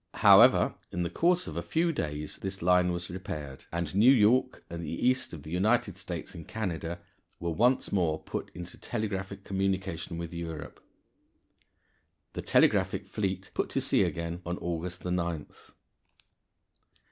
However, in the course of a few days this line was repaired, and New York and the east of the United States and Canada were once more put into telegraphic communication with Europe. The telegraphic fleet put to sea again on August 9th.